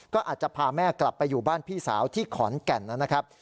ก็อาจจะพาแม่กลับไปอยู่บ้านพี่สาวที่ขอนแก่นนะครับ